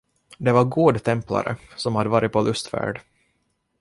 Det var godtemplare, som hade varit på lustfärd.